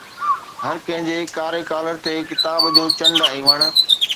هر ڪنهن جي ڪاري ڪالر تي ڪتاب جو چنڊ ۽ وڻ